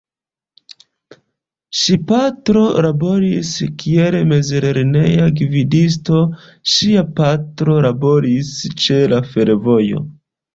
Ŝi patrino laboris kiel mezlerneja gvidisto, ŝia patro laboris ĉe la fervojo.